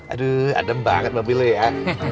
aduh adem banget mobilnya